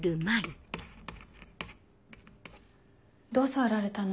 どう触られたの？